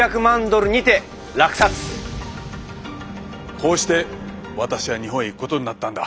こうして私は日本へ行くことになったんだ。